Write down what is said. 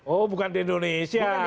oh bukan di indonesia